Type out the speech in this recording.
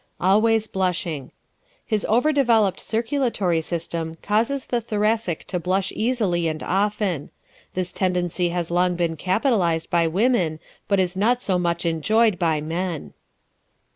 Always Blushing ¶ His over developed circulatory system causes the Thoracic to blush easily and often. This tendency has long been capitalized by women but is not so much enjoyed by men.